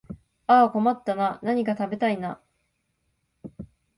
ああ困ったなあ、何か食べたいなあ